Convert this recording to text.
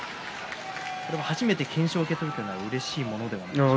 初めて懸賞を受け取るというのはうれしいものですか？